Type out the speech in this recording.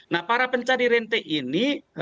nah para pencari rente ini